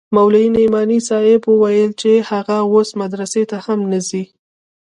مولوي نعماني صاحب وويل چې هغه اوس مدرسې ته هم نه ورځي.